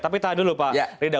tapi tahan dulu pak ridha